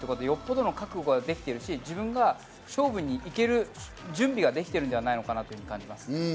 よっぽどの覚悟ができているし、自分が勝負に行ける準備ができているのではないかなと感じます。